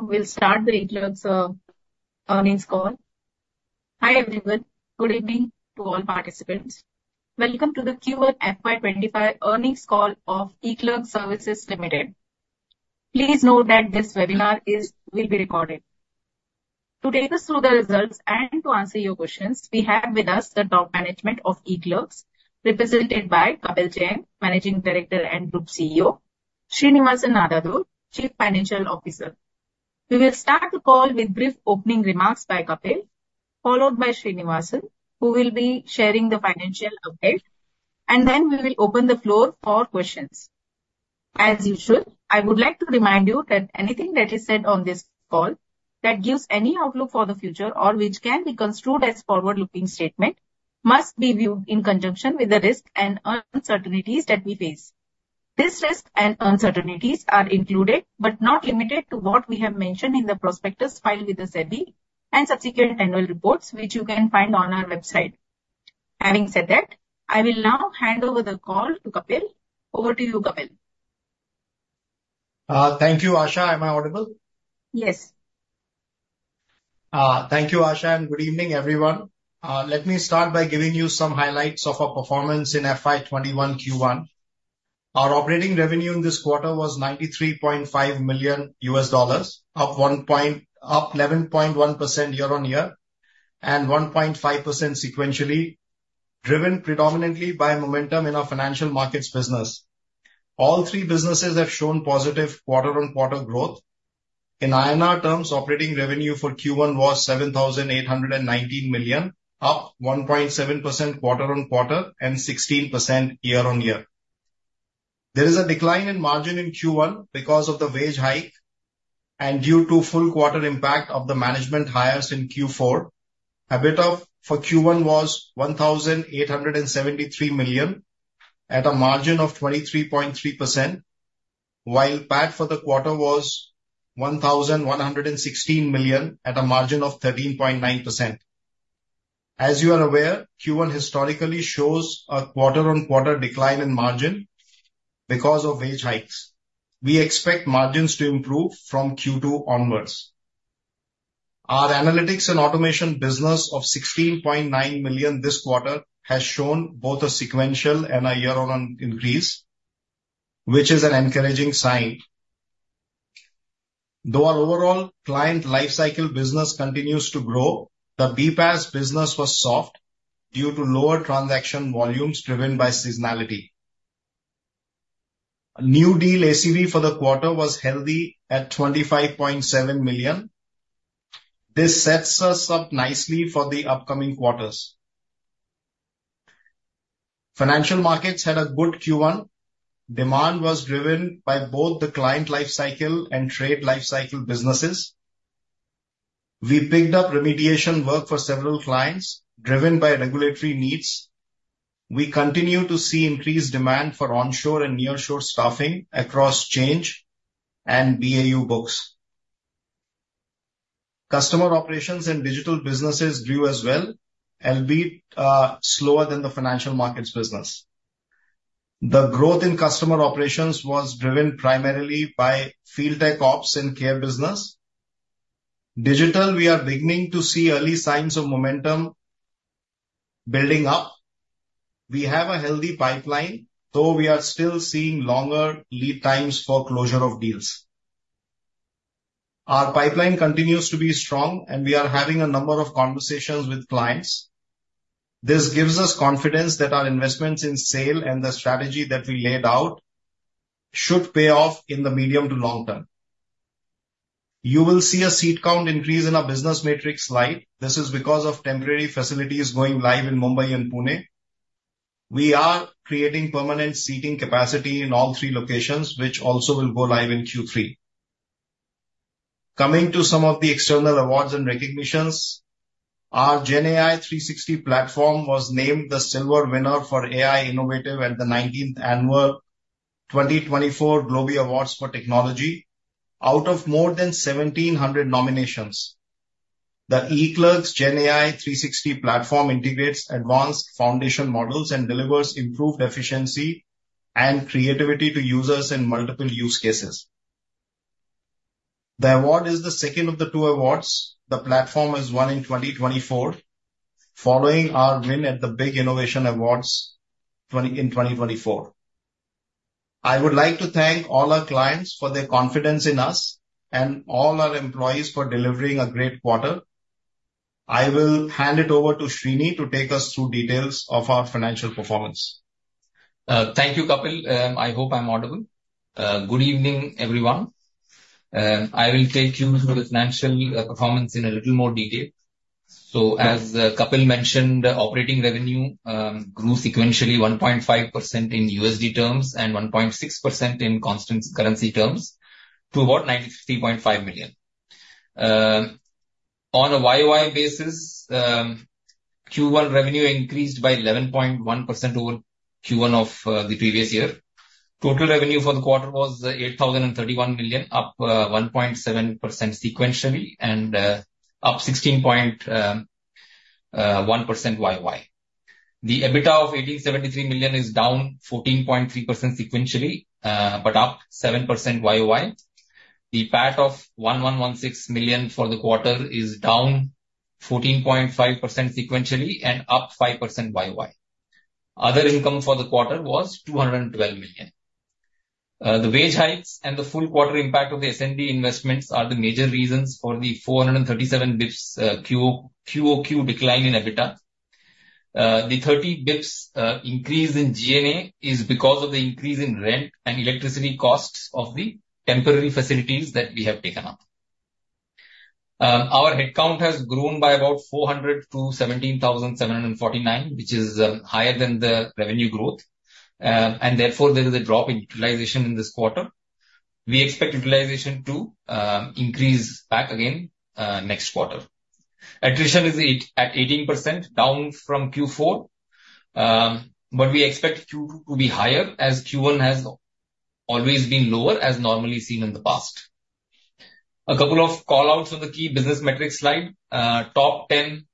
We'll start the eClerx earnings call. Hi, everyone. Good evening to all participants. Welcome to the Q1 FY 25 earnings call of eClerx Services Limited. Please note that this webinar is, will be recorded. To take us through the results and to answer your questions, we have with us the top management of eClerx, represented by Kapil Jain, Managing Director and Group CEO, Srinivasan Nadadhur, Chief Financial Officer. We will start the call with brief opening remarks by Kapil, followed by Srinivasan, who will be sharing the financial update, and then we will open the floor for questions. As usual, I would like to remind you that anything that is said on this call that gives any outlook for the future or which can be construed as forward-looking statement, must be viewed in conjunction with the risks and uncertainties that we face. These risks and uncertainties are included, but not limited to, what we have mentioned in the prospectus filed with the SEBI and subsequent annual reports, which you can find on our website. Having said that, I will now hand over the call to Kapil. Over to you, Kapil. Thank you, Asha. Am I audible? Yes. Thank you, Asha, and good evening, everyone. Let me start by giving you some highlights of our performance in FY 2021 Q1. Our operating revenue in this quarter was $93.5 million, up 11.1% year-on-year and 1.5% sequentially, driven predominantly by momentum in our financial markets business. All three businesses have shown positive quarter-on-quarter growth. In INR terms, operating revenue for Q1 was 7,819 million, up 1.7% quarter-on-quarter and 16% year-on-year. There is a decline in margin in Q1 because of the wage hike and due to full quarter impact of the management hires in Q4. EBIT of INR 1,873 million for Q1 was at a margin of 23.3%, while PAT for the quarter was 1,116 million, at a margin of 13.9%. As you are aware, Q1 historically shows a quarter-on-quarter decline in margin because of wage hikes. We expect margins to improve from Q2 onwards. Our analytics and automation business of 16.9 million this quarter has shown both a sequential and a year-on-year increase, which is an encouraging sign. Though our overall client life cycle business continues to grow, the BPaaS business was soft due to lower transaction volumes driven by seasonality. New deal ACV for the quarter was healthy at 25.7 million. This sets us up nicely for the upcoming quarters. Financial markets had a good Q1. Demand was driven by both the client life cycle and trade life cycle businesses. We picked up remediation work for several clients, driven by regulatory needs. We continue to see increased demand for onshore and nearshore staffing across change and BAU books. Customer operations and digital businesses grew as well, albeit, slower than the financial markets business. The growth in customer operations was driven primarily by field tech ops and care business. Digital, we are beginning to see early signs of momentum building up. We have a healthy pipeline, though we are still seeing longer lead times for closure of deals. Our pipeline continues to be strong, and we are having a number of conversations with clients. This gives us confidence that our investments in sales and the strategy that we laid out should pay off in the medium to long term. You will see a seat count increase in our business matrix slide. This is because of temporary facilities going live in Mumbai and Pune. We are creating permanent seating capacity in all three locations, which also will go live in Q3. Coming to some of the external awards and recognitions, our GenAI360 platform was named the Silver Winner for AI Innovative at the 19th Annual 2024 Globee Awards for Technology out of more than 1,700 nominations. The eClerx GenAI360 platform integrates advanced foundation models and delivers improved efficiency and creativity to users in multiple use cases. The award is the second of the two awards the platform has won in 2024, following our win at the Big Innovation Awards in 2024. I would like to thank all our clients for their confidence in us and all our employees for delivering a great quarter. I will hand it over to Srini to take us through details of our financial performance. Thank you, Kapil. I hope I'm audible. Good evening, everyone. I will take you through the financial performance in a little more detail. So as Kapil mentioned, operating revenue grew sequentially 1.5% in USD terms and 1.6% in constant currency terms, to about $93.5 million. On a YOY basis, Q1 revenue increased by 11.1% over Q1 of the previous year. Total revenue for the quarter was 8,031 million, up 1.7% sequentially and up 16.1% YOY. The EBITDA of 1,873 million is down 14.3% sequentially, but up 7% YOY. The PAT of 111.6 million for the quarter is down 14.5% sequentially and up 5% YOY. Other income for the quarter was 212 million. The wage hikes and the full quarter impact of the S&M investments are the major reasons for the 437 basis points QOQ decline in EBITDA. The 30 basis points increase in G&A is because of the increase in rent and electricity costs of the temporary facilities that we have taken up. Our headcount has grown by about 400 to 17,749, which is higher than the revenue growth. And therefore, there is a drop in utilization in this quarter. We expect utilization to increase back again next quarter. Attrition is at 18%, down from Q4, but we expect Q2 to be higher, as Q1 has always been lower as normally seen in the past. A couple of callouts on the key business metrics slide. Top ten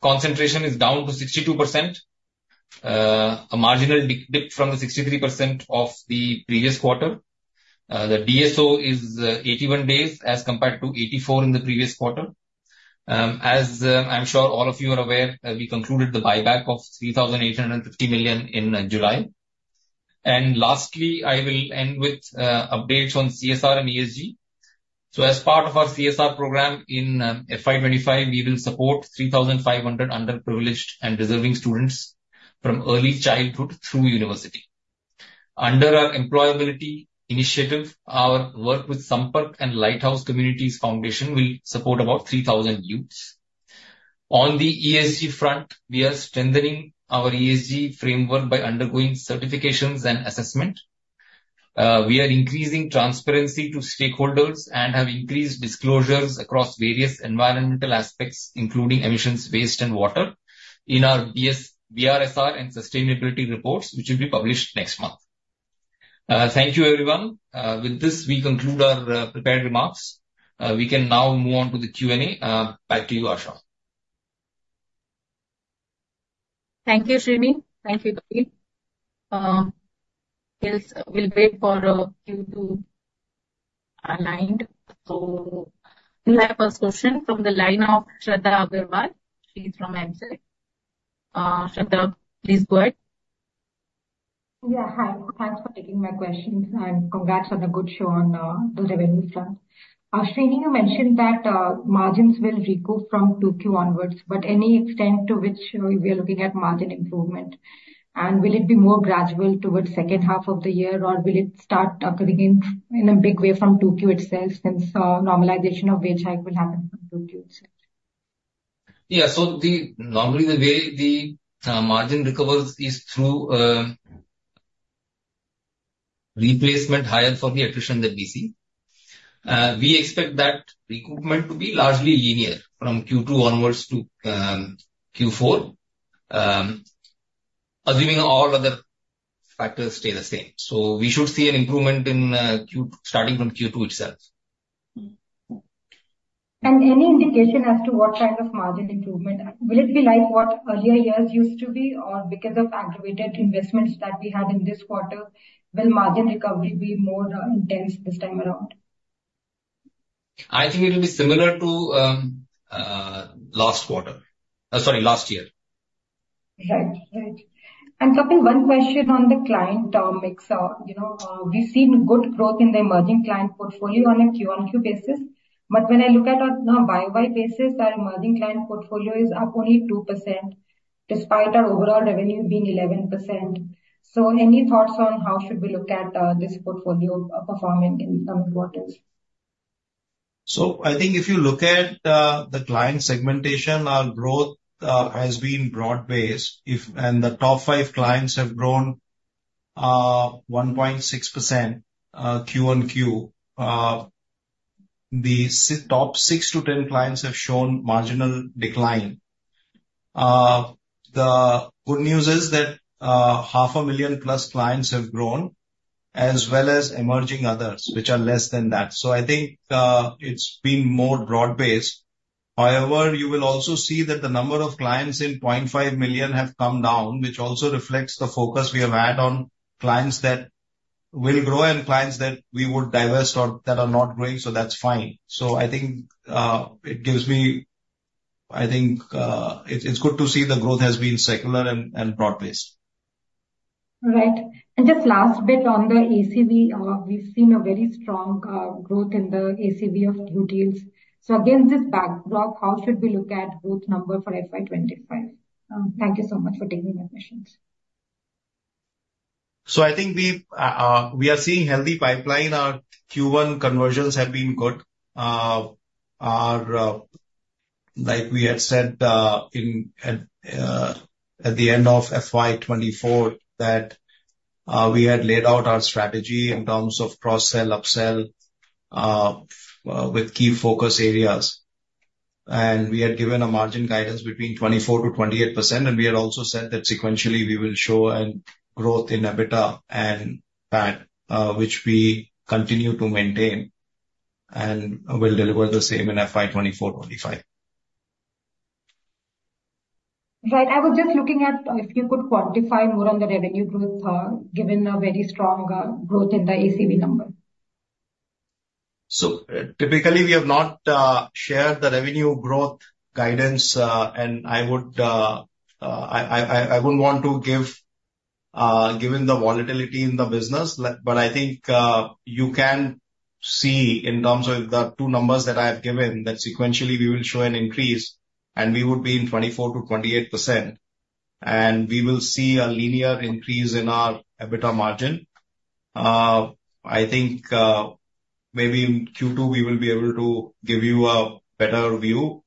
concentration is down to 62%, a marginal dip from the 63% of the previous quarter. The DSO is 81 days as compared to 84 in the previous quarter. As I'm sure all of you are aware, we concluded the buyback of 3,850 million in July. And lastly, I will end with updates on CSR and ESG. So as part of our CSR program in FY 2025, we will support 3,500 underprivileged and deserving students from early childhood through university. Under our employability initiative, our work with Sampark and Lighthouse Communities Foundation will support about 3,000 youths. On the ESG front, we are strengthening our ESG framework by undergoing certifications and assessment. We are increasing transparency to stakeholders and have increased disclosures across various environmental aspects, including emissions, waste, and water in our BRSR and sustainability reports, which will be published next month. Thank you, everyone. With this, we conclude our prepared remarks. We can now move on to the Q&A. Back to you, Asha. Thank you, Srini. Thank you, Kapil. Else we'll wait for queue to align. So we'll have first question from the line of Shradha Agrawal. She's from Asian Markets Securities. Shradha, please go ahead. Yeah, hi. Thanks for taking my questions, and congrats on the good show on the revenue side. Srini, you mentioned that margins will recover from 2Q onwards, but any extent to which we are looking at margin improvement, and will it be more gradual towards second half of the year, or will it start occurring in a big way from 2Q itself, since normalization of wage hike will happen from 2Q itself? Yeah, so normally the way the margin recovers is through replacement hires from the attrition that we see. We expect that recruitment to be largely linear from Q2 onwards to Q4, assuming all other factors stay the same. So we should see an improvement in Q2 starting from Q2 itself. Any indication as to what kind of margin improvement? Will it be like what earlier years used to be, or because of aggravated investments that we had in this quarter, will margin recovery be more, intense this time around? I think it will be similar to last quarter. Sorry, last year. Right. Right. And Kapil, one question on the client mix. You know, we've seen good growth in the emerging client portfolio on a Q-on-Q basis, but when I look at it on a YOY basis, our emerging client portfolio is up only 2%, despite our overall revenue being 11%. So any thoughts on how should we look at this portfolio performing in coming quarters? So I think if you look at the client segmentation, our growth has been broad-based. And the top five clients have grown 1.6%, Q-on-Q. The top six to ten clients have shown marginal decline. The good news is that half a million-plus clients have grown, as well as emerging others, which are less than that. So I think it's been more broad based. However, you will also see that the number of clients in 0.5 million have come down, which also reflects the focus we have had on clients that will grow and clients that we would divest or that are not growing. So that's fine. So I think it gives me... I think it's good to see the growth has been secular and broad-based. Right. And just last bit on the ACV. We've seen a very strong, growth in the ACV of new deals. So against this backdrop, how should we look at growth number for FY 2025? Thank you so much for taking my questions. So I think we are seeing healthy pipeline. Our Q1 conversions have been good. Like we had said, at the end of FY 2024, that we had laid out our strategy in terms of cross-sell, upsell, with key focus areas. And we had given a margin guidance between 24%-28%, and we had also said that sequentially we will show an growth in EBITDA and PAT, which we continue to maintain, and we'll deliver the same in FY 2024-2025. Right. I was just looking at if you could quantify more on the revenue growth, given a very strong growth in the ACV number. Typically, we have not shared the revenue growth guidance, and I wouldn't want to give, given the volatility in the business. But I think you can see in terms of the two numbers that I have given, that sequentially we will show an increase, and we would be in 24%-28%, and we will see a linear increase in our EBITDA margin. I think maybe in Q2 we will be able to give you a better view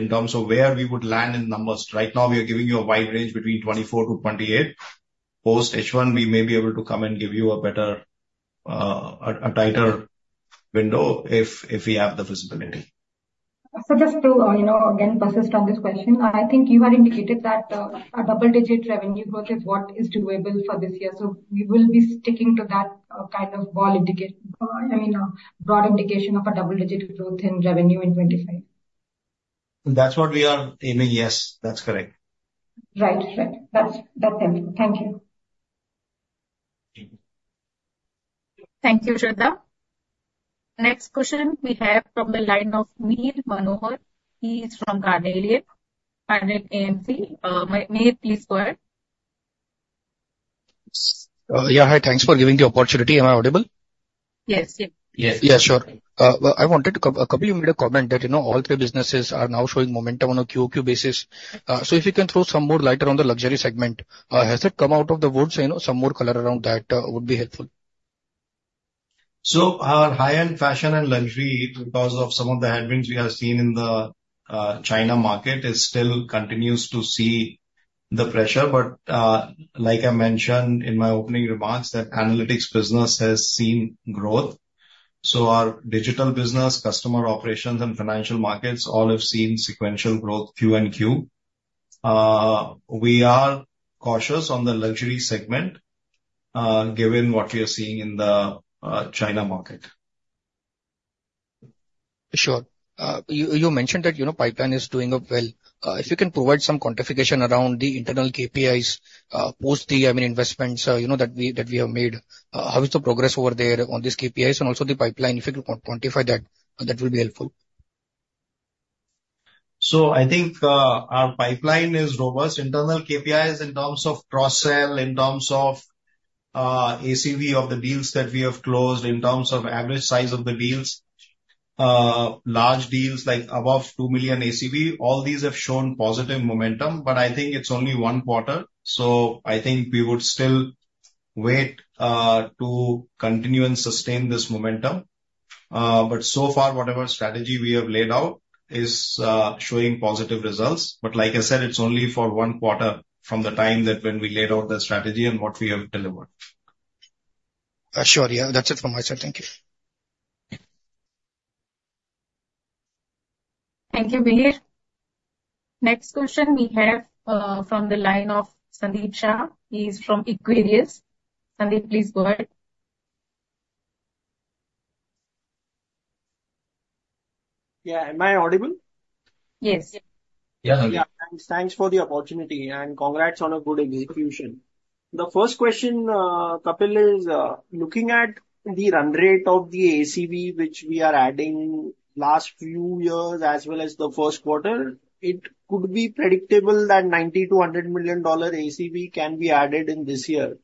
in terms of where we would land in numbers. Right now, we are giving you a wide range between 24%-28%. Post H1, we may be able to come and give you a better, a tighter window if we have the visibility. So just to, you know, again, persist on this question, I think you have indicated that, a double-digit revenue growth is what is doable for this year. So we will be sticking to that, kind of ball indication or, I mean, a broad indication of a double-digit growth in revenue in 2025? That's what we are aiming. Yes, that's correct. Right. Right. That's, that's it. Thank you. Thank you, Shraddha. Next question we have from the line of Mihir Manohar. He is from Carnelian Asset Advisors. Mihir, please go ahead. Yeah, hi. Thanks for giving the opportunity. Am I audible? Yes. Yeah. Yeah, sure. Well, I wanted to, Kapil, you made a comment that, you know, all three businesses are now showing momentum on a Q-o-Q basis. So if you can throw some more light around the luxury segment, has it come out of the woods? You know, some more color around that, would be helpful. So our high-end fashion and luxury, because of some of the headwinds we have seen in the China market, it still continues to see the pressure. But, like I mentioned in my opening remarks, that analytics business has seen growth. So our digital business, customer operations, and financial markets all have seen sequential growth Q&Q. We are cautious on the luxury segment, given what we are seeing in the China market. Sure. You mentioned that, you know, pipeline is doing up well. If you can provide some quantification around the internal KPIs, post the, I mean, investments, you know, that we have made. How is the progress over there on these KPIs and also the pipeline? If you could quantify that, that will be helpful. So I think, our pipeline is robust. Internal KPIs in terms of cross-sell, in terms of, ACV of the deals that we have closed, in terms of average size of the deals, large deals, like above $2 million ACV, all these have shown positive momentum. But I think it's only one quarter, so I think we would still wait, to continue and sustain this momentum. But so far, whatever strategy we have laid out is, showing positive results. But like I said, it's only for one quarter from the time that when we laid out the strategy and what we have delivered. Sure. Yeah. That's it from my side. Thank you. Thank you, Mihir. Next question we have from the line of Sandeep Shah. He is from Equirus. Sandeep, please go ahead. Yeah. Am I audible? Yes. Yeah. Yeah. Thanks for the opportunity, and congrats on a good execution. The first question, Kapil, is, looking at the run rate of the ACV, which we are adding last few years as well as the first quarter, it could be predictable that $90-$100 million ACV can be added in this year.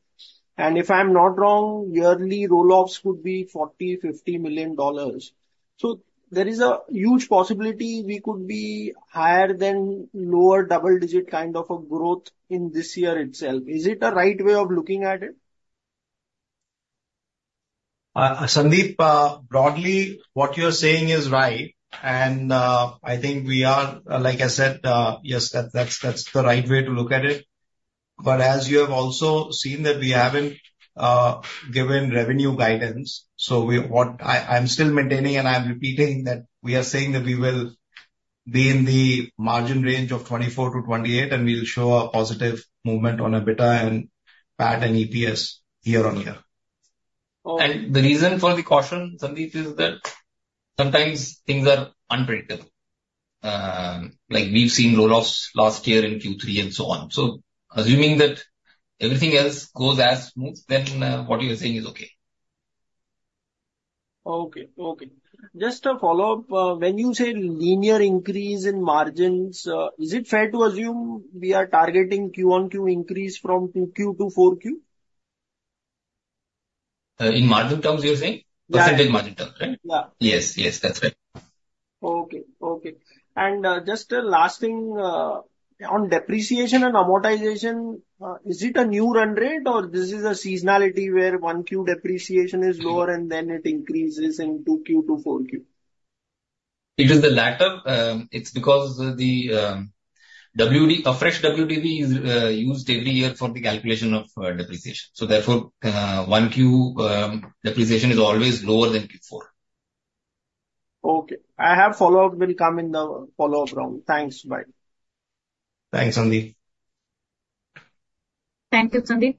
And if I'm not wrong, yearly roll-offs could be $40-$50 million. So there is a huge possibility we could be higher than lower double-digit kind of a growth in this year itself. Is it a right way of looking at it? Sandeep, broadly, what you're saying is right, and, I think we are... Like I said, yes, that, that's, that's the right way to look at it. But as you have also seen that we haven't, given revenue guidance, so we—what I, I'm still maintaining, and I'm repeating, that we are saying that we will be in the margin range of 24%-28%, and we will show a positive movement on EBITDA and PAT and EPS year-on-year. The reason for the caution, Sandeep, is that sometimes things are unpredictable. Like, we've seen roll-offs last year in Q3 and so on. Assuming that everything else goes as smooth, then, what you are saying is okay. Okay. Okay. Just a follow-up. When you say linear increase in margins, is it fair to assume we are targeting Q-o-Q increase from Q2 to Q4? In margin terms, you're saying? Yeah. Percentage margin terms, right? Yeah. Yes, yes, that's right. Okay, okay. And, just a last thing, on depreciation and amortization, is it a new run rate, or this is a seasonality where one Q depreciation is lower and then it increases in Q2 to Q4? It is the latter. It's because the WDV, a fresh WDV is used every year for the calculation of depreciation. So therefore, 1 Q depreciation is always lower than Q4. Okay. I have follow-up. Will come in the follow-up round. Thanks. Bye. Thanks, Sandeep. Thank you, Sandeep.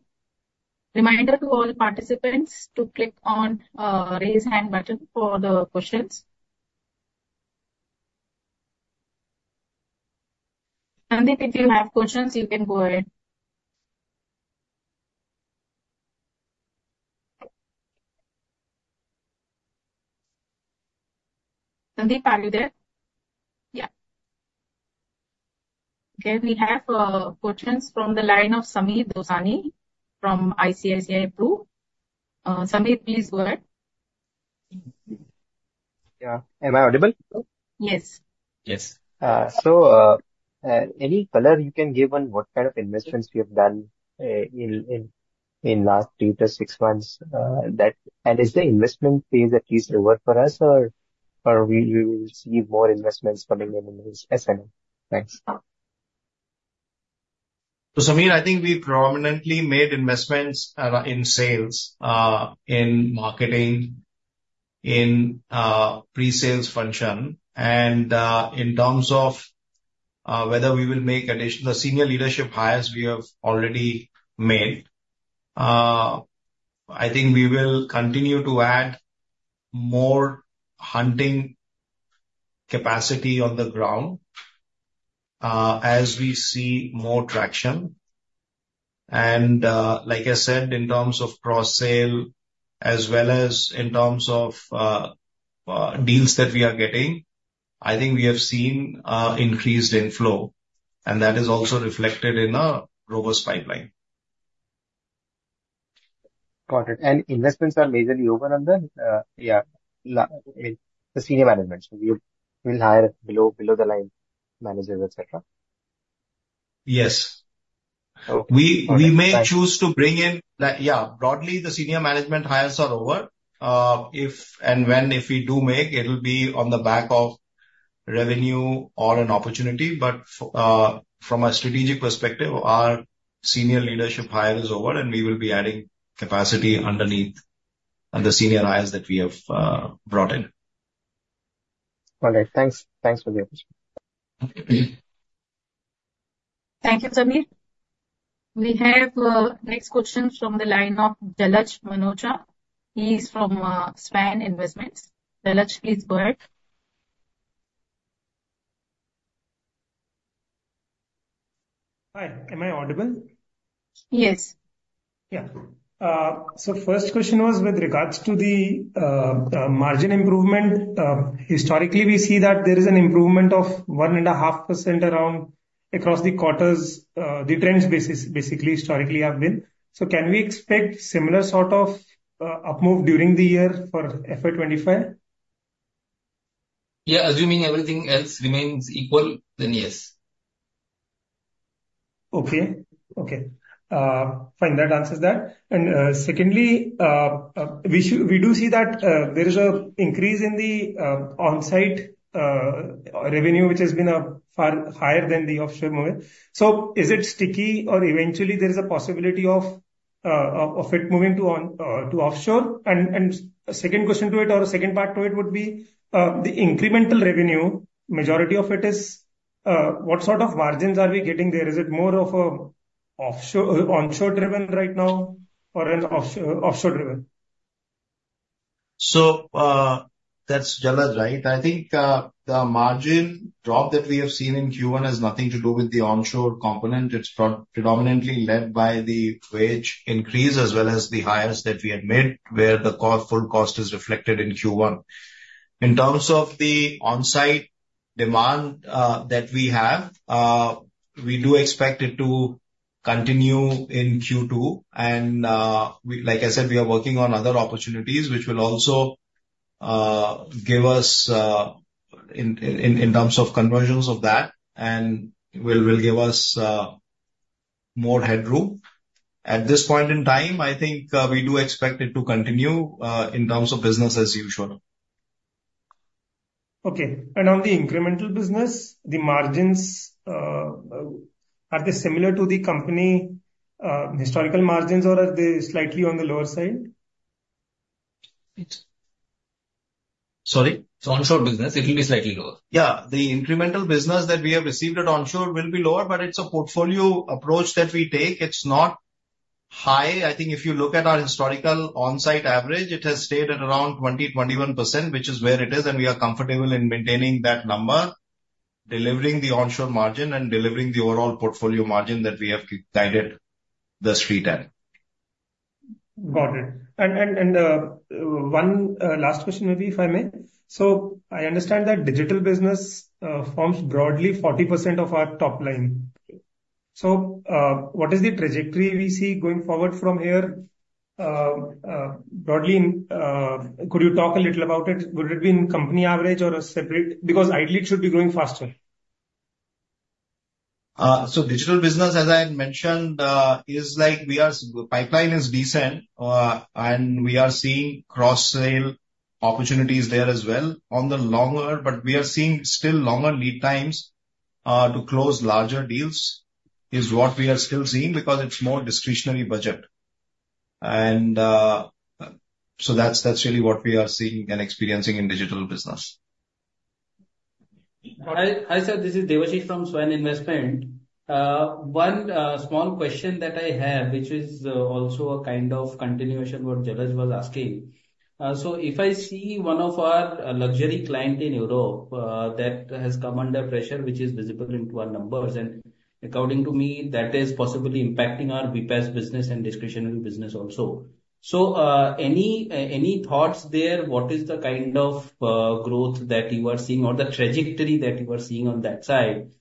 Reminder to all participants to click on raise hand button for the questions. Sandeep, if you have questions, you can go ahead. Sandeep, are you there? Yeah. Okay, we have questions from the line of Sameer Dosani from ICICI Prudential AMC. Sameer, please go ahead. Yeah. Am I audible? Yes. Yes. So, any color you can give on what kind of investments we have done in last 3-6 months, and is the investment phase at least over for us, or we will see more investments coming in in this SN? Thanks. So, Sameer, I think we prominently made investments in sales, in marketing, in pre-sales function. And, in terms of whether we will make addition... The senior leadership hires we have already made. I think we will continue to add more hunting capacity on the ground, as we see more traction. And, like I said, in terms of cross-sale as well as in terms of deals that we are getting, I think we have seen increased inflow, and that is also reflected in a robust pipeline. Got it. And investments are majorly over on the senior management. You will hire below, below the line managers, et cetera? Yes. Okay. We may choose to bring in like... Yeah, broadly, the senior management hires are over. If and when we do make, it'll be on the back of revenue or an opportunity. But from a strategic perspective, our senior leadership hire is over, and we will be adding capacity underneath the senior hires that we have brought in. All right. Thanks. Thanks for the opportunity. Thank you, Sameer. We have next question from the line of Jalaj Manocha. He is from Svan Investment Managers. Jalaj, please go ahead. Hi, am I audible? Yes. Yeah. So first question was with regards to the margin improvement. Historically, we see that there is an improvement of 1.5% around across the quarters, the trends basically historically have been. So can we expect similar sort of up move during the year for FY 2025? Yeah, assuming everything else remains equal, then yes. Okay. Okay. Fine, that answers that. And secondly, we do see that there is an increase in the on-site revenue, which has been far higher than the offshore model. So is it sticky or eventually there is a possibility of it moving to offshore? And second question to it or the second part to it would be the incremental revenue, majority of it is what sort of margins are we getting there? Is it more of an offshore onshore driven right now or an offshore offshore driven? So, that's Jalaj, right? I think the margin drop that we have seen in Q1 has nothing to do with the onshore component. It's predominantly led by the wage increase as well as the hires that we had made, where the core full cost is reflected in Q1. In terms of the on-site demand that we have, we do expect it to continue in Q2, and we... Like I said, we are working on other opportunities, which will also give us in terms of conversions of that and will give us more headroom. At this point in time, I think we do expect it to continue in terms of business as usual. Okay. And on the incremental business, the margins, are they similar to the company, historical margins, or are they slightly on the lower side? Sorry. So onshore business, it will be slightly lower. Yeah, the incremental business that we have received at onshore will be lower, but it's a portfolio approach that we take. It's not high. I think if you look at our historical on-site average, it has stayed at around 20%, 21%, which is where it is, and we are comfortable in maintaining that number, delivering the onshore margin and delivering the overall portfolio margin that we have guided the street at. Got it. And one last question, maybe, if I may. So I understand that digital business forms broadly 40% of our top line. Okay. So, what is the trajectory we see going forward from here? Broadly, could you talk a little about it? Would it be in company average or a separate...? Because ideally, it should be growing faster. So, digital business, as I had mentioned, is like we are... pipeline is decent, and we are seeing cross-sale opportunities there as well on the longer. But we are seeing still longer lead times to close larger deals, is what we are still seeing, because it's more discretionary budget. And, so that's, that's really what we are seeing and experiencing in digital business. Hi, hi, sir, this is Debashish from Svan Investment. One small question that I have, which is also a kind of continuation what Jalaj was asking. So if I see one of our luxury client in Europe that has come under pressure, which is visible into our numbers, and according to me, that is possibly impacting our BPaaS business and discretionary business also. So any thoughts there? What is the kind of growth that you are seeing or the trajectory that you are seeing on that side?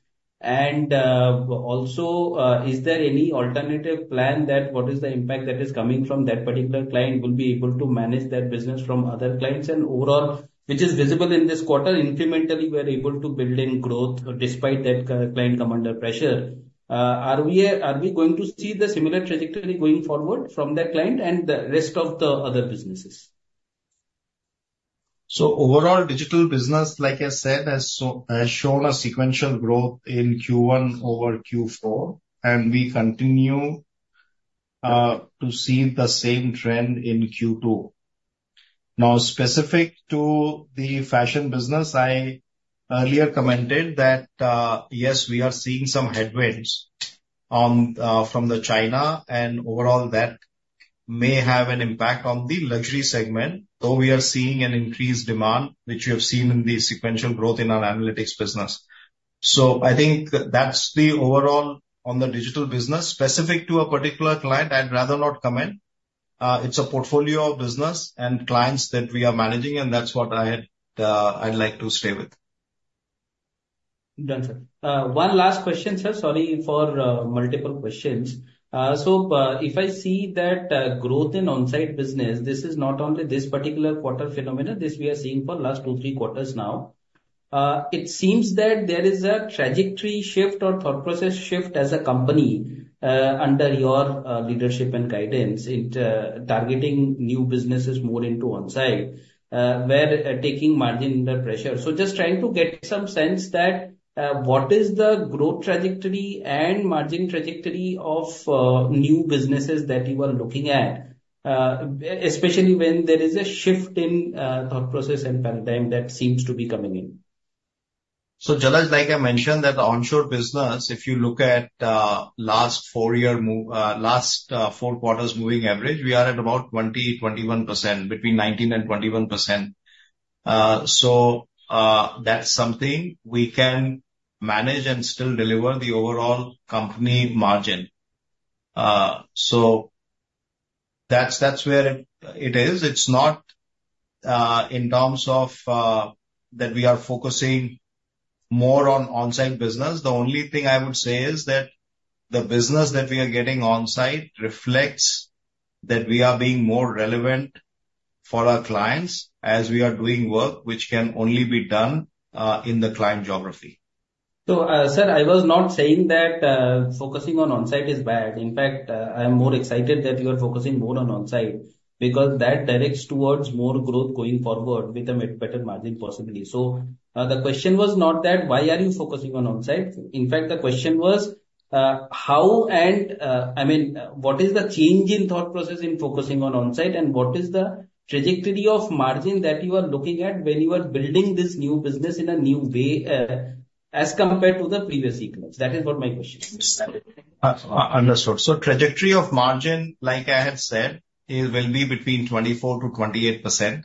And also, is there any alternative plan that what is the impact that is coming from that particular client will be able to manage that business from other clients? Overall, which is visible in this quarter, incrementally, we are able to build in growth despite that client come under pressure. Are we going to see the similar trajectory going forward from that client and the rest of the other businesses? So overall, digital business, like I said, has shown a sequential growth in Q1 over Q4, and we continue to see the same trend in Q2. Now, specific to the fashion business, I earlier commented that, yes, we are seeing some headwinds from China and overall that may have an impact on the luxury segment, though we are seeing an increased demand, which we have seen in the sequential growth in our analytics business. So I think that's the overall on the digital business. Specific to a particular client, I'd rather not comment. It's a portfolio of business and clients that we are managing, and that's what I'd like to stay with. Done, sir. One last question, sir. Sorry for multiple questions. So, if I see that growth in onsite business, this is not only this particular quarter phenomenon; this we are seeing for last 2-3 quarters now. It seems that there is a trajectory shift or thought process shift as a company, under your leadership and guidance into targeting new businesses more into onsite, where taking margin under pressure. So just trying to get some sense that what is the growth trajectory and margin trajectory of new businesses that you are looking at, especially when there is a shift in thought process and paradigm that seems to be coming in. So Jalaj, like I mentioned, that the onshore business, if you look at last four quarters moving average, we are at about 20%, 21%, between 19% and 21%. So that's something we can manage and still deliver the overall company margin. So that's where it is. It's not in terms of that we are focusing more on onsite business. The only thing I would say is that the business that we are getting onsite reflects that we are being more relevant for our clients as we are doing work which can only be done in the client geography. So, sir, I was not saying that focusing on onsite is bad. In fact, I am more excited that you are focusing more on onsite, because that directs towards more growth going forward with a better margin possibly. So, the question was not that, why are you focusing on onsite? In fact, the question was, how and, I mean, what is the change in thought process in focusing on onsite, and what is the trajectory of margin that you are looking at when you are building this new business in a new way, as compared to the previous sequence? That is what my question is. Understood. So trajectory of margin, like I had said, it will be between 24%-28%.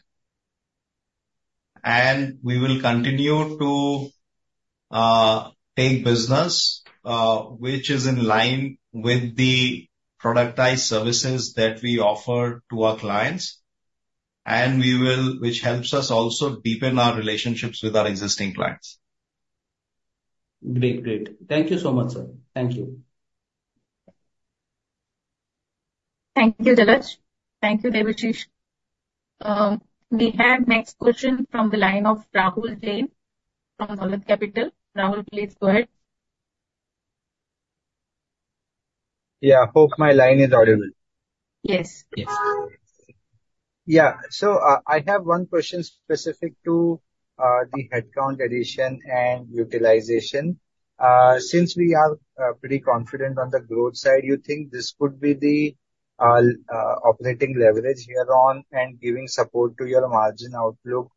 And we will continue to take business, which is in line with the productized services that we offer to our clients, and we will... which helps us also deepen our relationships with our existing clients. Great. Great. Thank you so much, sir. Thank you. Thank you, Jalaj. Thank you, Debashish. We have next question from the line of Rahul Jain from Dolat Capital. Rahul, please go ahead. Yeah. Hope my line is audible. Yes. Yes. Um- Yeah. So, I have one question specific to the headcount addition and utilization. Since we are pretty confident on the growth side, you think this could be the operating leverage here on and giving support to your margin outlook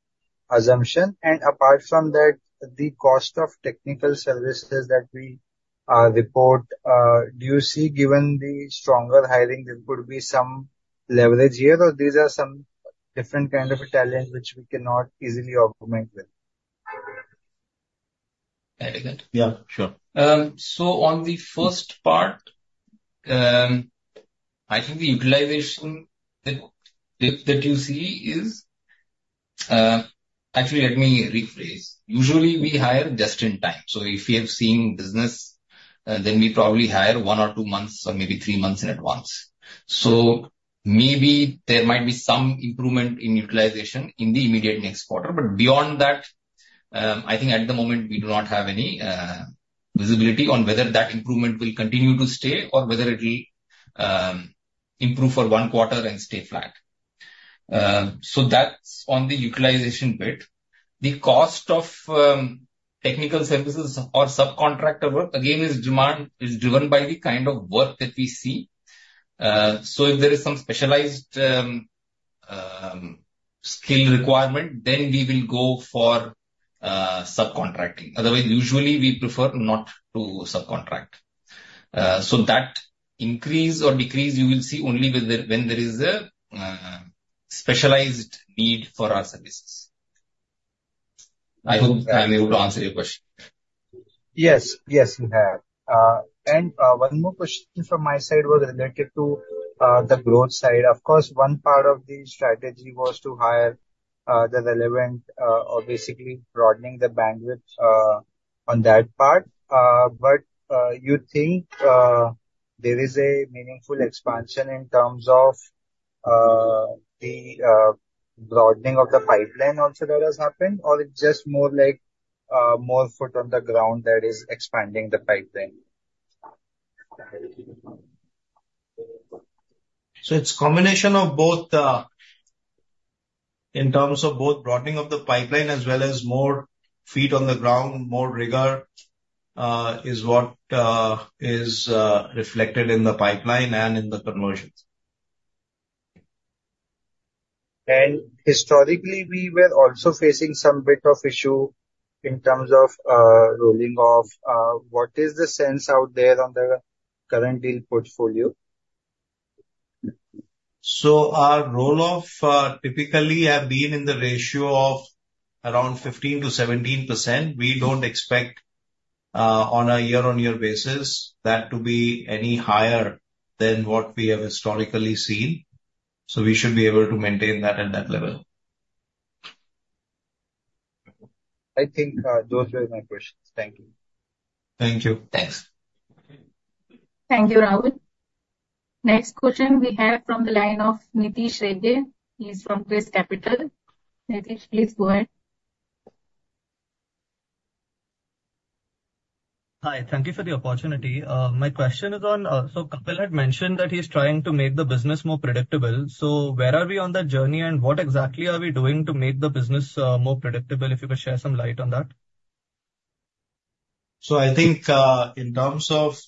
assumption? And apart from that, the cost of technical services that we report, do you see, given the stronger hiring, there could be some leverage here, or these are some different kind of talent which we cannot easily augment with? Very good. Yeah, sure. So on the first part, I think the utilization that you see is. Actually, let me rephrase. Usually, we hire just in time. So if we have seen business, then we probably hire one or two months or maybe three months in advance. So maybe there might be some improvement in utilization in the immediate next quarter. But beyond that, I think at the moment we do not have any visibility on whether that improvement will continue to stay or whether it'll improve for one quarter and stay flat. So that's on the utilization bit. The cost of technical services or subcontractor work, again, is demand driven by the kind of work that we see. So if there is some specialized skill requirement, then we will go for subcontracting. Otherwise, usually we prefer not to subcontract. So that increase or decrease, you will see only when there is a specialized need for our services. I hope I'm able to answer your question. Yes. Yes, you have. And, one more question from my side was related to the growth side. Of course, one part of the strategy was to hire the relevant, or basically broadening the bandwidth on that part. But, you think there is a meaningful expansion in terms of the broadening of the pipeline also that has happened? Or it's just more like more foot on the ground that is expanding the pipeline? So it's combination of both, in terms of both broadening of the pipeline as well as more feet on the ground, more rigor is what is reflected in the pipeline and in the conversions. Historically, we were also facing some bit of issue in terms of rolling off. What is the sense out there on the current deal portfolio? Our roll-off typically have been in the ratio of around 15%-17%. We don't expect, on a year-on-year basis that to be any higher than what we have historically seen, so we should be able to maintain that at that level. I think, those were my questions. Thank you. Thank you. Thanks. Thank you, Rahul. Next question we have from the line of Nitish Rege. He's from ChrysCapital. Nitish, please go ahead. Hi. Thank you for the opportunity. My question is on, so Kapil had mentioned that he's trying to make the business more predictable. So where are we on that journey, and what exactly are we doing to make the business more predictable? If you could shed some light on that. So I think, in terms of,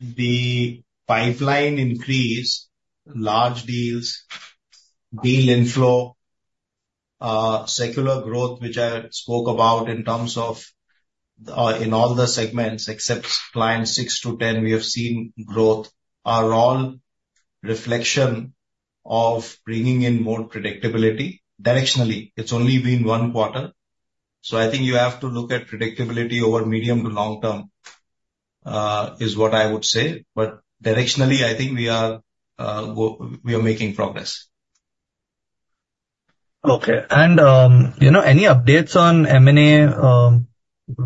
the pipeline increase, large deals, deal inflow, secular growth, which I spoke about in terms of, in all the segments except client six to 10, we have seen growth, are all reflection of bringing in more predictability. Directionally, it's only been one quarter, so I think you have to look at predictability over medium to long term, is what I would say. But directionally, I think we are, we are making progress. Okay. You know, any updates on M&A,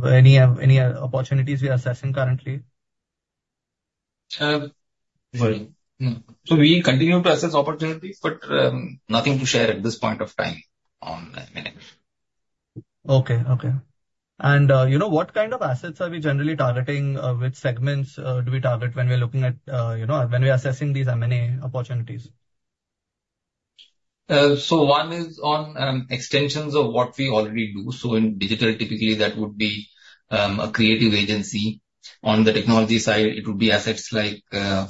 any opportunities we are assessing currently? Well, so we continue to assess opportunities, but nothing to share at this point of time on M&A. Okay. Okay. And, you know, what kind of assets are we generally targeting? Which segments do we target when we're looking at, you know, when we are assessing these M&A opportunities? So one is on extensions of what we already do. So in digital, typically that would be a creative agency. On the technology side, it would be assets like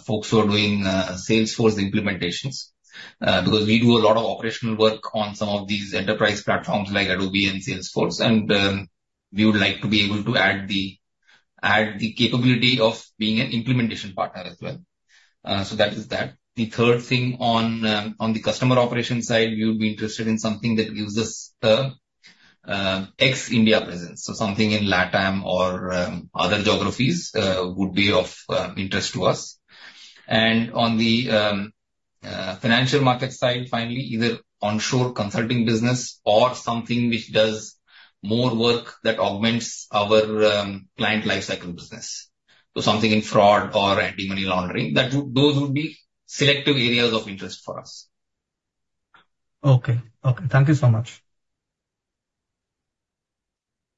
folks who are doing Salesforce implementations. Because we do a lot of operational work on some of these enterprise platforms like Adobe and Salesforce, and we would like to be able to add the capability of being an implementation partner as well. So that is that. The third thing on the customer operations side, we would be interested in something that gives us the ex-India presence. So something in LatAm or other geographies would be of interest to us. And on the financial market side, finally, either onshore consulting business or something which does more work that augments our client lifecycle business. Something in fraud or anti-money laundering, that would-- those would be selective areas of interest for us. Okay. Okay, thank you so much.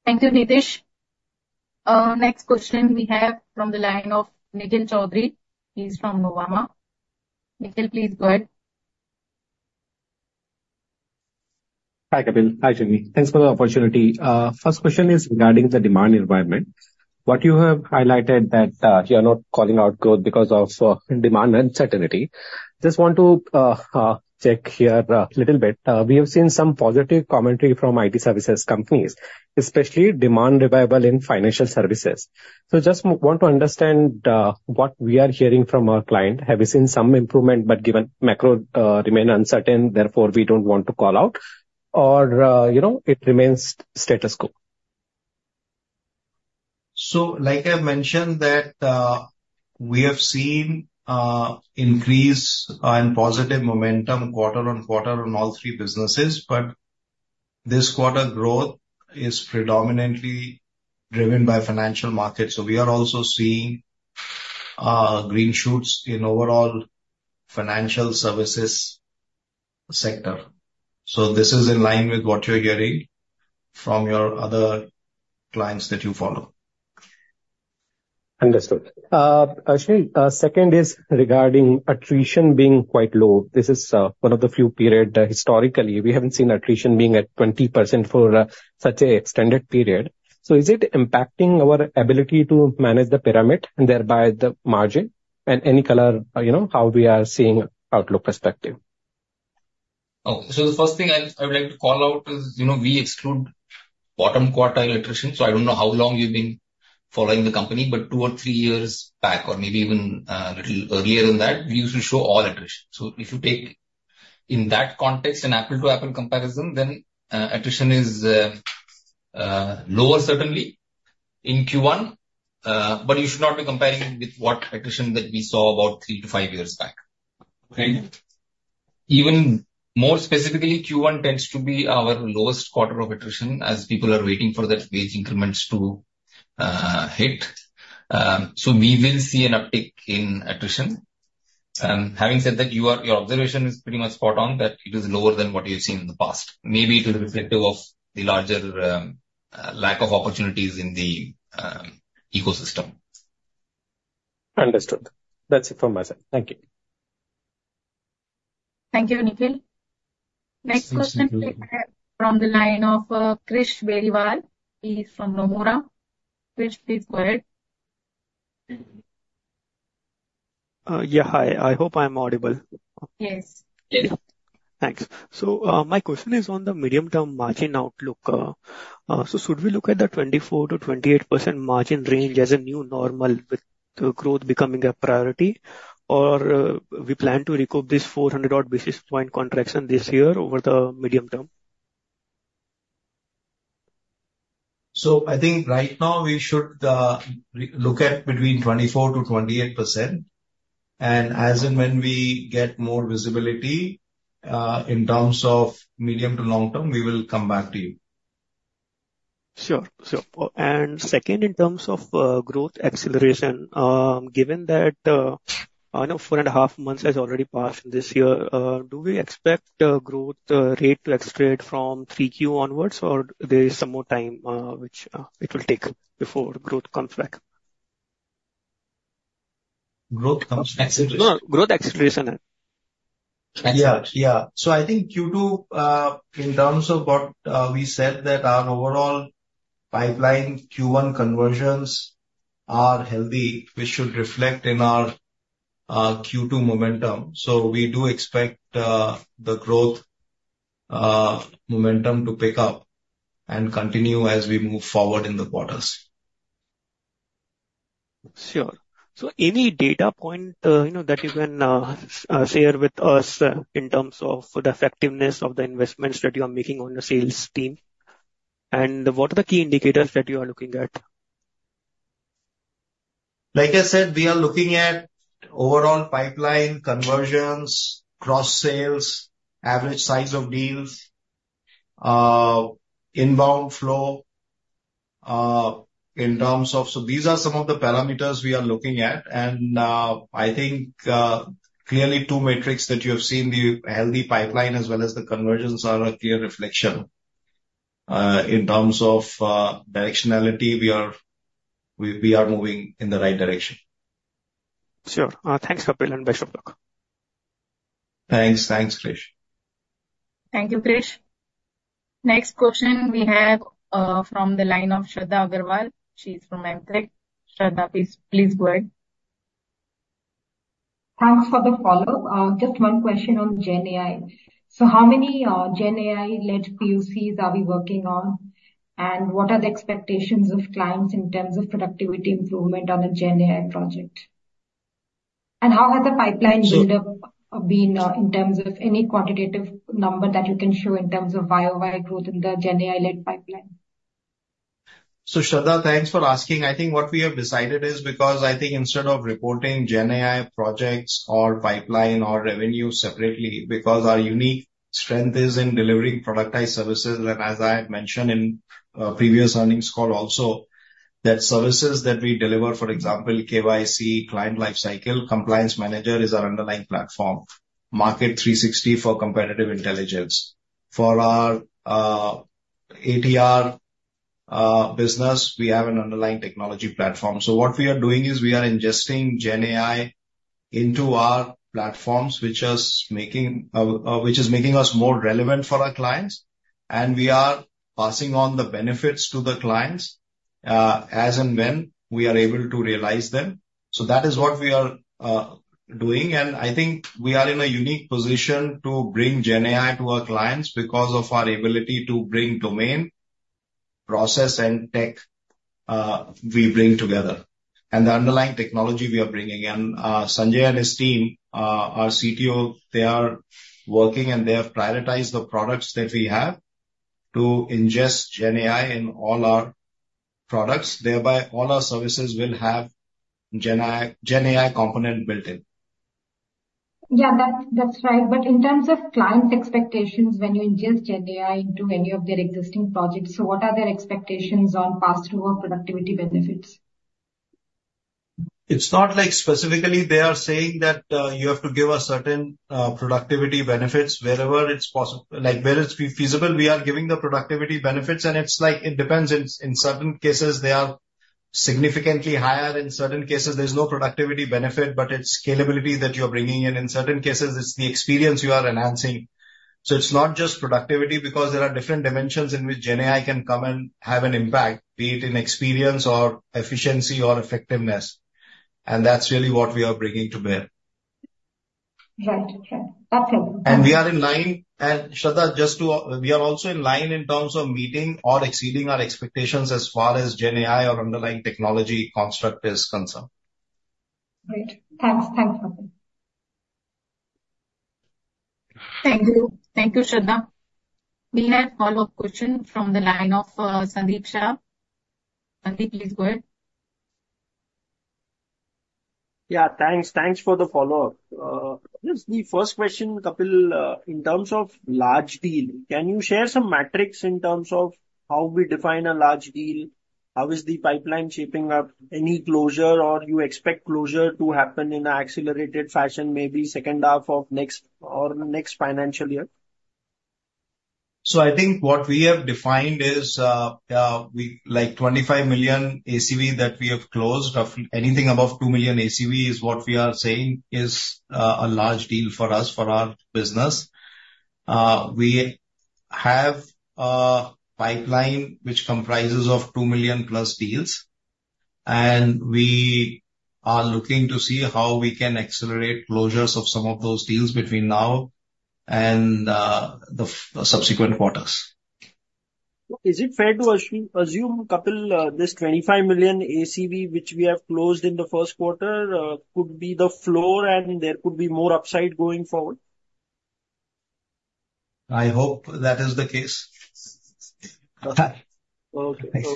Thank you, Nitish. Next question we have from the line of Nikhil Choudhary. He's from Nuvama Wealth Management. Nikhil, please go ahead. Hi, Kapil. Hi, Shree. Thanks for the opportunity. First question is regarding the demand environment. What you have highlighted that, you are not calling out growth because of, demand uncertainty. Just want to, check here, little bit. We have seen some positive commentary from IT services companies, especially demand revival in financial services. So just want to understand, what we are hearing from our client. Have you seen some improvement, but given macro, remain uncertain, therefore we don't want to call out, or, you know, it remains status quo? So, like I mentioned, that, we have seen, increase and positive momentum quarter-over-quarter on all three businesses, but this quarter growth is predominantly driven by financial markets. So we are also seeing, green shoots in overall financial services sector. So this is in line with what you're hearing from your other clients that you follow. Understood. Shree, second is regarding attrition being quite low. This is one of the few period historically we haven't seen attrition being at 20% for such a extended period. So is it impacting our ability to manage the pyramid and thereby the margin? And any color, you know, how we are seeing outlook perspective. Oh, so the first thing I would like to call out is, you know, we exclude bottom quartile attrition. So I don't know how long you've been following the company, but 2 or 3 years back or maybe even a little earlier than that, we used to show all attrition. So if you take in that context an apple-to-apple comparison, then attrition is lower certainly in Q1. But you should not be comparing it with what attrition that we saw about 3-5 years back. Okay. Even more specifically, Q1 tends to be our lowest quarter of attrition as people are waiting for their wage increments to hit. So we will see an uptick in attrition. Having said that, your, your observation is pretty much spot on, that it is lower than what you've seen in the past. Maybe it is reflective of the larger lack of opportunities in the ecosystem. Understood. That's it from my side. Thank you. Thank you, Nikhil. Next question from the line of Krish Beriwal. He's from Nuvama Wealth Management. Krish, please go ahead. Yeah, hi. I hope I'm audible. Yes. Yes. Thanks. So, my question is on the medium-term margin outlook. So should we look at the 24%-28% margin range as a new normal with the growth becoming a priority? Or, we plan to recoup this 400 odd basis point contraction this year over the medium term? So I think right now we should look at between 24%-28%, and as and when we get more visibility in terms of medium to long term, we will come back to you. Sure. Sure. And second, in terms of growth acceleration, given that I know four and a half months has already passed this year, do we expect growth rate to accelerate from 3Q onwards, or there is some more time which it will take before growth comes back? Growth acceleration? No, growth acceleration. Yeah. Yeah. So I think Q2, in terms of what we said, that our overall pipeline Q1 conversions are healthy, which should reflect in our Q2 momentum. So we do expect the growth momentum to pick up and continue as we move forward in the quarters. Sure. So any data point, you know, that you can share with us, in terms of the effectiveness of the investments that you are making on the sales team? And what are the key indicators that you are looking at? Like I said, we are looking at overall pipeline conversions, cross-sales, average size of deals, inbound flow, in terms of... So these are some of the parameters we are looking at. And, I think, clearly two metrics that you have seen, the healthy pipeline as well as the conversions, are a clear reflection, in terms of directionality, we are moving in the right direction. Sure. Thanks, Kapil, and wish you good luck. Thanks. Thanks, Krish. Thank you, Krish. Next question we have, from the line of Shradha Agrawal. She's from Asian Market Securities. Shradha, please, please go ahead. Thanks for the follow-up. Just one question on GenAI. So how many GenAI-led POCs are we working on, and what are the expectations of clients in terms of productivity improvement on a GenAI project? And how has the pipeline build-up been, in terms of any quantitative number that you can show in terms of Y over Y growth in the GenAI-led pipeline? So, Shradha, thanks for asking. I think what we have decided is because I think instead of reporting GenAI projects or pipeline or revenue separately, because our unique strength is in delivering productized services. And as I had mentioned in previous earnings call also, that services that we deliver, for example, KYC, client lifecycle, Compliance Manager is our underlying platform. Market360 for competitive intelligence. For our ADR business, we have an underlying technology platform. So what we are doing is we are ingesting GenAI into our platforms, which is making us more relevant for our clients, and we are passing on the benefits to the clients as and when we are able to realize them. So that is what we are doing. I think we are in a unique position to bring GenAI to our clients because of our ability to bring domain, process, and tech we bring together, and the underlying technology we are bringing in. Sanjay and his team, our CTO, they are working, and they have prioritized the products that we have to ingest GenAI in all our products. Thereby all our services will have GenAI component built in. Yeah, that's, that's right. But in terms of client expectations, when you ingest GenAI into any of their existing projects, so what are their expectations on pass-through of productivity benefits? It's not like specifically they are saying that you have to give a certain productivity benefits. Wherever it's possible. Like, where it's feasible, we are giving the productivity benefits, and it's like, it depends. In certain cases they are significantly higher. In certain cases, there's no productivity benefit, but it's scalability that you're bringing in. In certain cases, it's the experience you are enhancing. So it's not just productivity, because there are different dimensions in which GenAI can come and have an impact, be it in experience or efficiency or effectiveness, and that's really what we are bringing to bear. Right. Yeah. Okay. We are in line, and Shradha, just to, we are also in line in terms of meeting or exceeding our expectations as far as GenAI or underlying technology construct is concerned. Great. Thanks. Thanks, Kapil. Thank you. Thank you, Shradha. We have follow-up question from the line of Sandeep Shah. Sandeep, please go ahead. Yeah, thanks. Thanks for the follow-up. Just the first question, Kapil, in terms of large deal, can you share some metrics in terms of how we define a large deal? How is the pipeline shaping up? Any closure or you expect closure to happen in an accelerated fashion, maybe second half of next or next financial year? So I think what we have defined is, we like $25 million ACV that we have closed. Of anything above $2 million ACV is what we are saying is, a large deal for us, for our business. We have a pipeline which comprises of $2 million+ deals, and we are looking to see how we can accelerate closures of some of those deals between now and, the subsequent quarters. Is it fair to assume, Kapil, this $25 million ACV, which we have closed in the first quarter, could be the floor and there could be more upside going forward? I hope that is the case. Okay. Okay. Thanks.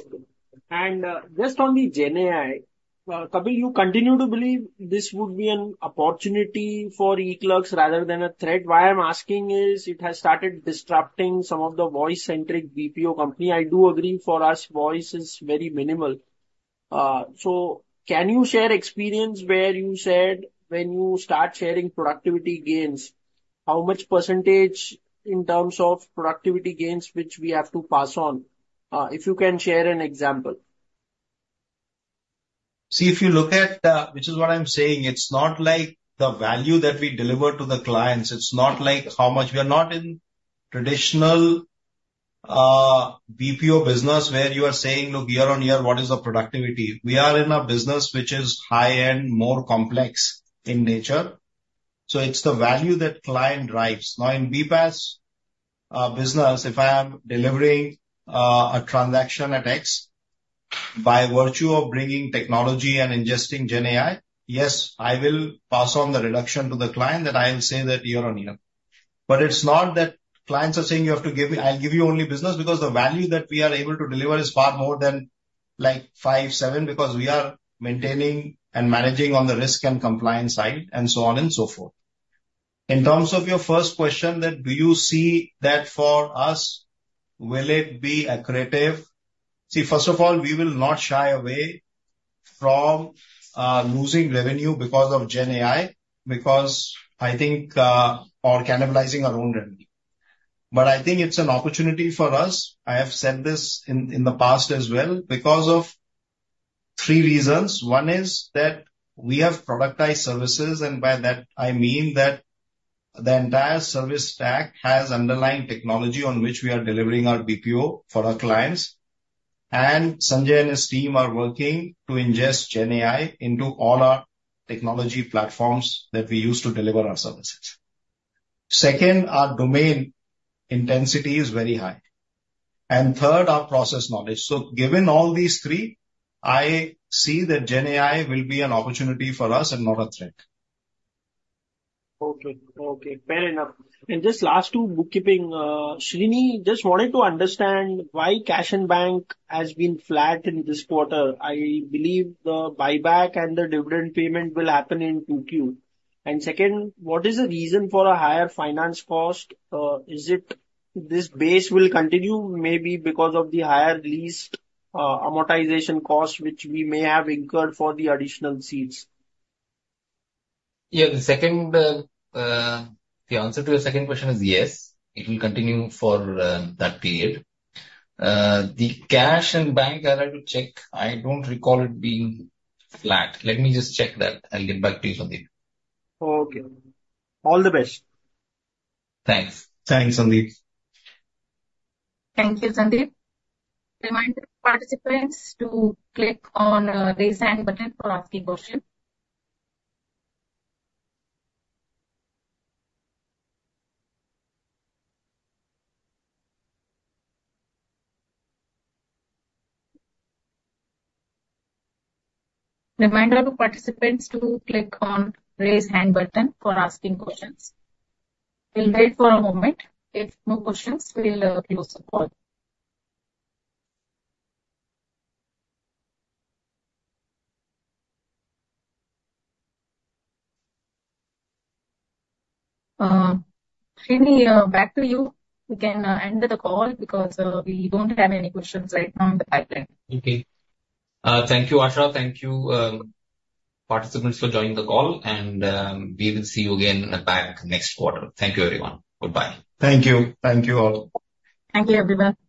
And, just on the GenAI, Kapil, you continue to believe this would be an opportunity for eClerx rather than a threat. Why I'm asking is, it has started disrupting some of the voice-centric BPO company. I do agree, for us, voice is very minimal. So can you share experience where you said when you start sharing productivity gains, how much percentage in terms of productivity gains which we have to pass on? If you can share an example. See, if you look at which is what I'm saying, it's not like the value that we deliver to the clients. It's not like how much... We are not in traditional BPO business, where you are saying, "Look, year on year, what is the productivity?" We are in a business which is high-end, more complex in nature. So it's the value that client drives. Now, in BPaaS business, if I am delivering a transaction at X, by virtue of bringing technology and ingesting GenAI, yes, I will pass on the reduction to the client, that I will say that year on year. But it's not that clients are saying, "You have to give me, I'll give you only business," because the value that we are able to deliver is far more than, like, 5, 7, because we are maintaining and managing on the risk and compliance side, and so on and so forth. In terms of your first question, that do you see that for us, will it be accretive? See, first of all, we will not shy away from losing revenue because of GenAI, because I think, or cannibalizing our own revenue. But I think it's an opportunity for us, I have said this in the past as well, because of three reasons. One is that we have productized services, and by that I mean that the entire service stack has underlying technology on which we are delivering our BPO for our clients. Sanjay and his team are working to ingest GenAI into all our technology platforms that we use to deliver our services. Second, our domain intensity is very high. Third, our process knowledge. Given all these three, I see that GenAI will be an opportunity for us and not a threat. Okay. Okay, fair enough. And just last two, bookkeeping. Srini, just wanted to understand why cash in bank has been flat in this quarter. I believe the buyback and the dividend payment will happen in Q2. And second, what is the reason for a higher finance cost? Is it this base will continue maybe because of the higher lease, amortization costs, which we may have incurred for the additional seats? Yeah, the second, the answer to your second question is yes, it will continue for that period. The cash and bank, I'll have to check. I don't recall it being flat. Let me just check that, I'll get back to you, Sandeep. Okay. All the best. Thanks. Thanks, Sandeep. Thank you, Sandeep. Reminder to participants to click on the sign button for asking question. Reminder to participants to click on raise hand button for asking questions. We'll wait for a moment. If no questions, we'll close the call. Srini, back to you. You can end the call because we don't have any questions right now in the pipeline. Okay. Thank you, Asha. Thank you, participants, for joining the call, and we will see you again back next quarter. Thank you, everyone. Goodbye. Thank you. Thank you all. Thank you, everyone.